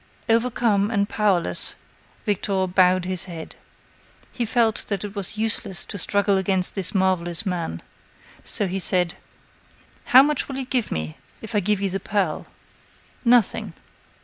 Overcome and powerless, Victor bowed his head. He felt that it was useless to struggle against this marvelous man. So he said: "How much will you give me, if I give you the pearl?" "Nothing."